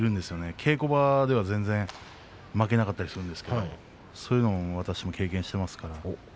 稽古場では全然負けなかったりするんですがそういうのは私も経験しています。